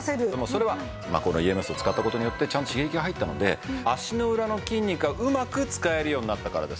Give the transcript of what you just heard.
それはこのＥＭＳを使った事によってちゃんと刺激が入ったので足の裏の筋肉がうまく使えるようになったからです。